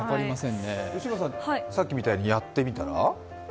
吉村さん、さっきみたいにやってみたら？